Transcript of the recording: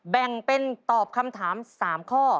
แบ่งเป็นตอบคำถาม๓ข้อ